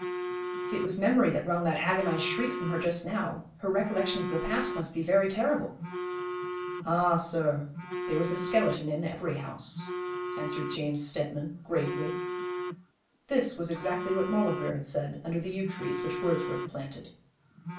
'If it was memory that wrung that agonised shriek from her just now, her recollections of the past must be very terrible.' 'Ah, sir, there is a skeleton in every house,' answered James Steadman, gravely. This was exactly what Maulevrier had said under the yew trees which Wordsworth planted.